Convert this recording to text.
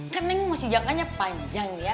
kan neng masih jangkanya panjang ya